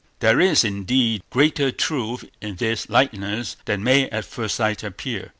There is, indeed, greater truth in this likeness than may at first sight appear.